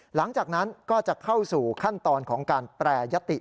หลังจากนั้นก็จะเข้าสู่ขั้นตอนของการแปรยติ